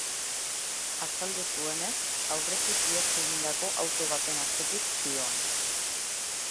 Azaldu zuenez, aurretik ihes egindako auto baten atzetik zihoan.